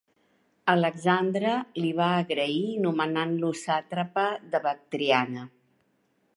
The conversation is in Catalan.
Alexandre li va agrair nomenant-lo sàtrapa de Bactriana.